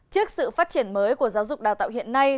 trước sự phát triển mới của giáo dục đào tạo hiện nay